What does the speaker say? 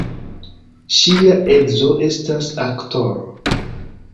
Ŝia edzo estas aktoro.